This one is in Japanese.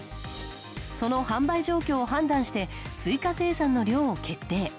その販売状況を判断して追加生産の量を決定。